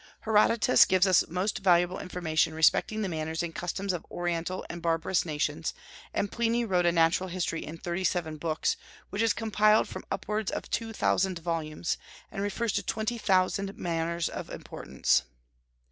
Herodotus gives us most valuable information respecting the manners and customs of Oriental and barbarous nations; and Pliny wrote a Natural History in thirty seven books, which is compiled from upwards of two thousand volumes, and refers to twenty thousand matters of importance.